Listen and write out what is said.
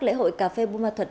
lễ hội cà phê bù mạc